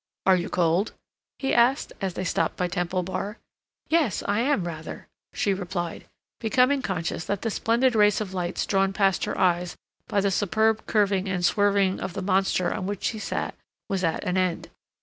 "Are you cold?" he asked, as they stopped by Temple Bar. "Yes, I am rather," she replied, becoming conscious that the splendid race of lights drawn past her eyes by the superb curving and swerving of the monster on which she sat was at an end.